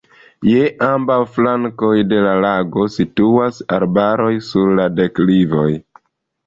Je ambaŭ flankoj de la lago situas arbaroj sur la deklivoj.